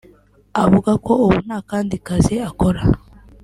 Avuga ko ubu nta kandi kazi akora